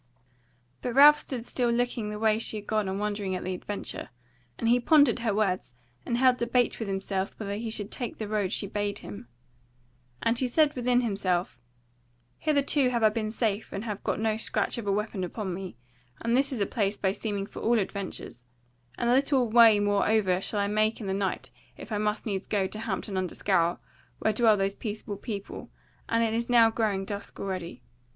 But Ralph stood still looking the way she had gone and wondering at the adventure; and he pondered her words and held debate with himself whether he should take the road she bade him. And he said within himself: "Hitherto have I been safe and have got no scratch of a weapon upon me, and this is a place by seeming for all adventures; and little way moreover shall I make in the night if I must needs go to Hampton under Scaur, where dwell those peaceable people; and it is now growing dusk already.